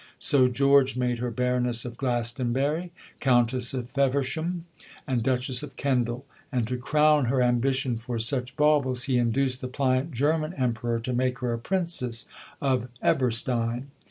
So George made her Baroness of Glastonbury, Countess of Feversham, and Duchess of Kendal. And, to crown her ambition for such baubles, he induced the pliant German Emperor to make her a Princess of Eberstein.